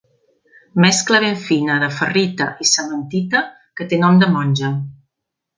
Mescla ben fina de ferrita i cementita que té nom de monja.